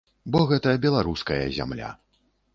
Бо гэта беларуская зямля.